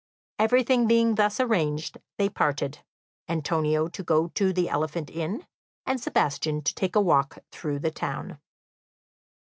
Everything being thus arranged, they parted, Antonio to go to the Elephant Inn, and Sebastian to take a walk through the town.